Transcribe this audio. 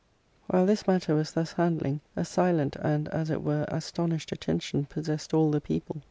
While this matter was thus handling, a silent and, as it were, astonished attention possessed all the people.